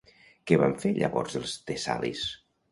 Què van fer llavors els tessalis?